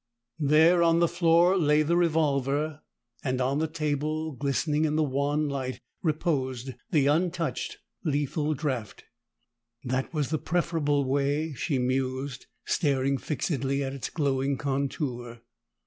There on the floor lay the revolver, and on the table, glistening in the wan light, reposed the untouched lethal draft. That was the preferable way, she mused, staring fixedly at its glowing contour.